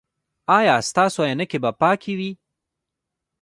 ایا ستاسو عینکې به پاکې وي؟